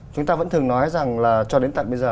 chúng ta vẫn thường nói rằng là cho đến tận bây giờ